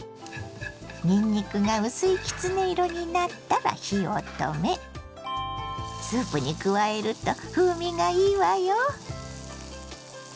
にんにくが薄いきつね色になったら火を止めスープに加えると風味がいいわよ。